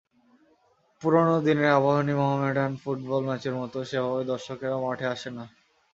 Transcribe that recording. পুরোনো দিনের আবাহনী-মোহামেডান ফুটবল ম্যাচের মতো সেভাবে দর্শকেরাও মাঠে আসে না।